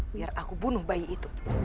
biar aku bunuh bayi itu